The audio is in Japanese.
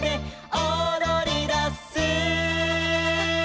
「おどりだす」